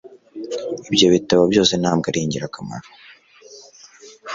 Ibyo bitabo byose ntabwo ari ingirakamaro